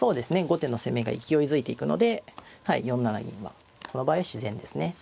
後手の攻めが勢いづいていくのではい４七銀はこの場合は自然ですね。